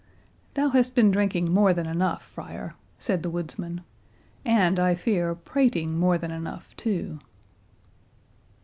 "Thou hast been drinking more than enough, friar," said the woodsman, "and, I fear, prating more than enough too."